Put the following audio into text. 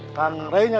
akang rain ya